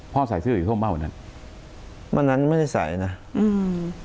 พ่อใส่เสื้อสีส้มบ้างวันนั้นวันนั้นไม่ได้ใส่นะอืม